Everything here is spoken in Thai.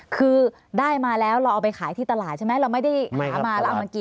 คือได้มาแล้วเราเอาไปขายที่ตลาดใช่ไหมเราไม่ได้หามาแล้วเอามากิน